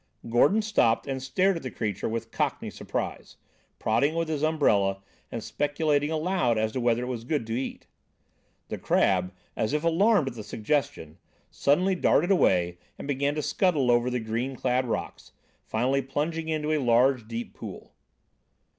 Gordon stopped and stared at the creature with Cockney surprise, prodding it with his umbrella, and speculating aloud as to whether it was good to eat. The crab, as if alarmed at the suggestion, suddenly darted away and began to scuttle over the green clad rocks, finally plunging into a large, deep pool.